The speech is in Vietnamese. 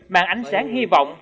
mang ánh sáng hy vọng